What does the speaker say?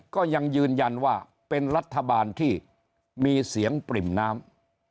ก็ยังยืนยันว่าเป็นรัฐบาลที่มีเสียงปริ่มน้ำ